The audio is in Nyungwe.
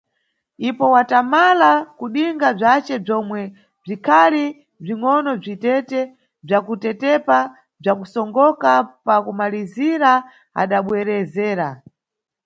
Ipo watamala kudinga bzace bzomwe bzikhali bzingʼono bzi tete, bzakutetepa bza kusongoka, pa kumalizira adabwerezera.